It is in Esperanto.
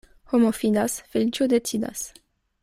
Homo fidas, feliĉo decidas.